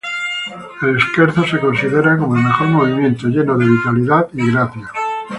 El Scherzo se considera como el mejor movimiento, lleno de vitalidad y gracia.